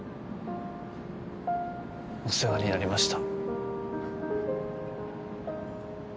お世話になりました